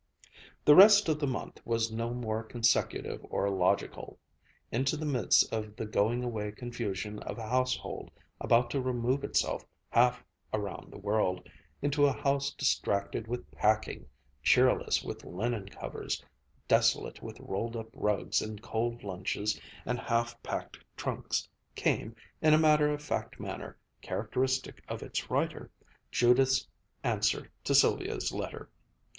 The rest of the month was no more consecutive or logical. Into the midst of the going away confusion of a household about to remove itself half around the world, into a house distracted with packing, cheerless with linen covers, desolate with rolled up rugs and cold lunches and half packed trunks, came, in a matter of fact manner characteristic of its writer, Judith's answer to Sylvia's letter.